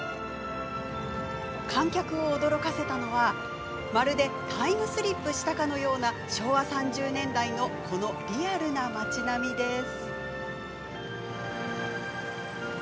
観客を驚かせたのはまるでタイムスリップしたかのような昭和３０年代のこのリアルな町並みです。